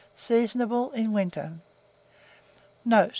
Seasonable in winter. Note.